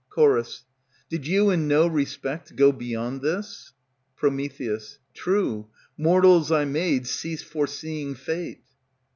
Ch. Did you in no respect go beyond this? Pr. True, mortals I made cease foreseeing fate.